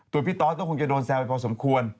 ตัวพี่ต้อนต้องโดนแซวไปเฉพาะสมควร